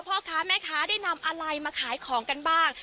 พ่อค้าแม่ค้าได้นำอะไรมาขายของกันบ้าง